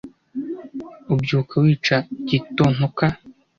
Ubyuka wica Gitontoka,